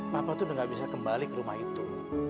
bapak tuh udah gak bisa kembali ke rumah itu